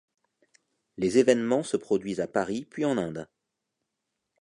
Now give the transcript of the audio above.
Les évènements se produisent à Paris puis en Inde.